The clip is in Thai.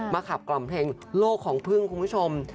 ขับกล่อมเพลงโลกของพึ่งคุณผู้ชม